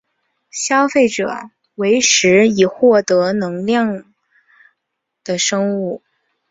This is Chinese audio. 消费者为食以获得能量的生物。